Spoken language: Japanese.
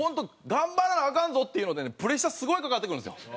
頑張らなアカンぞっていうのでねプレッシャーすごいかかってくるんですよ。